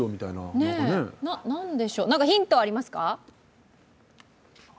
何かヒントはありますか？